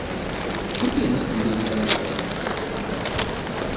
Perché nascondevi la lettera?